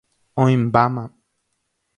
Oĩmbáma.